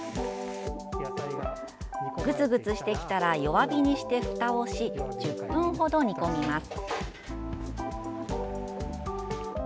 グツグツしてきたら、弱火にしてふたをし、１０分ほど煮込みます。